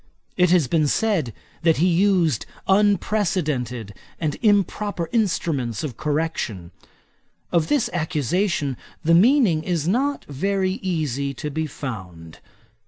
It has been said, that he used unprecedented and improper instruments of correction. Of this accusation the meaning is not very easy to be found.